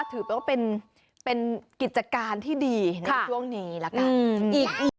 ถือเป็นกิจการที่ดีในช่วงนี้